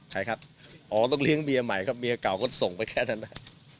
ใครครับอ๋อต้องเลี้ยงเมียใหม่ครับเมียเก่าก็ส่งไปแค่นั้น